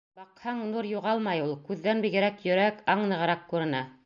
Баҡһаң, нур юғалмай ул. Күҙҙән бигерәк йөрәк, аң нығыраҡ күрә.